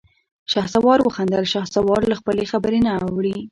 شهسوار وخندل: شهسوارخان له خپلې خبرې نه اوړي.